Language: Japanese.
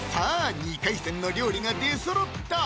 ２回戦の料理が出そろった！